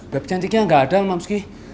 bebek cantiknya nggak ada mamski